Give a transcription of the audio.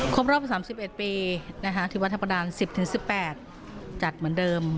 ครบรอบ๓๑ปีที่วัดทัพประดาน๑๐๑๘จัดเหมือนเดิม